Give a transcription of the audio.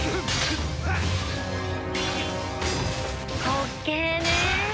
滑稽ねえ。